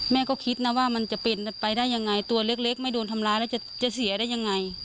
แม่ก็คิดนะว่ามันจะเป็นไปได้ยังไงตัวเล็กไม่โดนทำร้ายแล้วจะเสียได้ยังไง